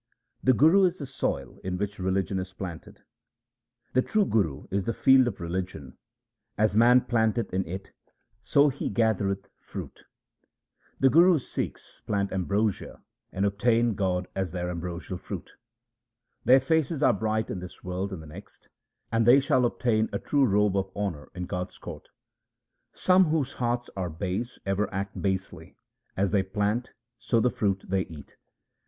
The Guru is the soil in which religion is planted :— The true Guru is the field of religion ; as man planteth in it, so he gathereth fruit. HYMNS OF GURU RAM DAS 301 The Guru's Sikhs plant ambrosia and obtain God as their ambrosial fruit. Their faces are bright in this world and the next, and they shall obtain a true robe of honour in God's court. Some whose hearts are base ever act basely ; as they plant, so the fruit they eat.